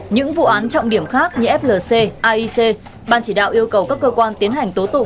những vụ án trọng điểm khác như flc aic ban chỉ đạo yêu cầu các cơ quan tiến hành tố tụ